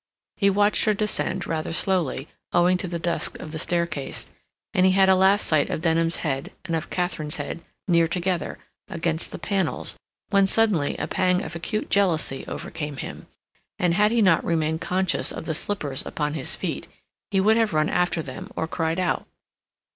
He watched her descend, rather slowly, owing to the dusk of the staircase, and he had a last sight of Denham's head and of Katharine's head near together, against the panels, when suddenly a pang of acute jealousy overcame him, and had he not remained conscious of the slippers upon his feet, he would have run after them or cried out.